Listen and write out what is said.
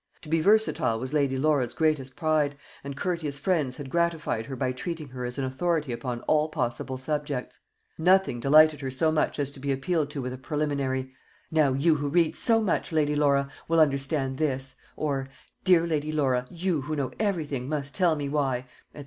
To be versatile was Lady Laura's greatest pride, and courteous friends had gratified her by treating her as an authority upon all possible subjects. Nothing delighted her so much as to be appealed to with a preliminary, "Now, you who read so much, Lady Laura, will understand this;" or, "Dear Lady Laura, you who know everything, must tell me why," etc.